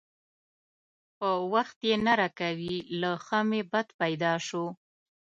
په وخت یې نه راکوي؛ له ښه مې بد پیدا شو.